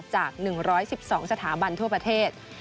จาก๑๑๒สถาบันทั่วประเทศ